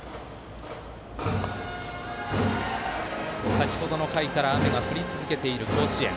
先程の回から雨が降り続けている甲子園。